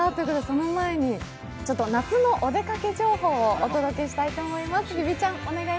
その前に、夏のお出かけ情報をお届けしたいと思います。